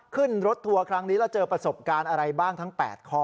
ขึ้นรถทัวร์ครั้งนี้แล้วเจอประสบการณ์อะไรบ้างทั้ง๘ข้อ